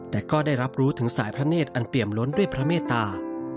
แต่ก็ได้รับรู้ถึงสายพระเนธอันเปี่ยมล้นด้วยพระเมตตา